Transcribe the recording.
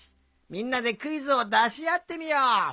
みんなでクイズをだしあってみよう。